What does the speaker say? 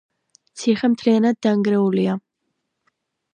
ციხე მთლიანად დანგრეულია.